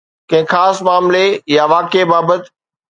ڪنهن خاص معاملي يا واقعي بابت